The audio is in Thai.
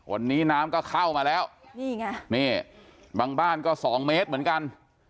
วันนี้น้ำก็เข้ามาแล้วนี่ไงนี่บางบ้านก็สองเมตรเหมือนกัน